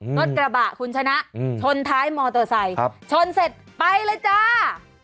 รถกระบะคุณชนะชนท้ายมอเตอร์ไซค์ชนเสร็จไปเลยจ้า